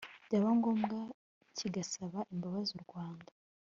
byaba ngombwa kigasaba imbabazi u Rwanda